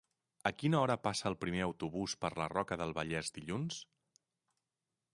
A quina hora passa el primer autobús per la Roca del Vallès dilluns?